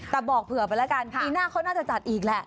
แต่บอกเผื่อไปแล้วกันปีหน้าเขาน่าจะจัดอีกแหละ